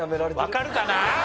わかるかな？